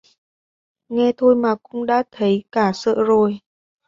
Nghe thôi mà cũng đã thấy cả sợ rồi